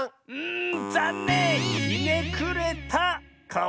んざんねん！